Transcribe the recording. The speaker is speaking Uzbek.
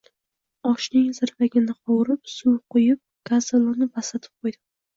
Oshning zirvagini qovurib, suv kuyib, gaz olovini pastlatib qo’ydim.